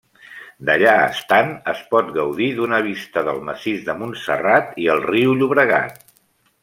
D'allà estant, espot gaudir d'una vista del massís de Montserrat i el riu Llobregat.